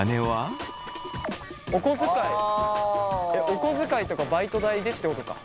お小遣いとかバイト代でってことか。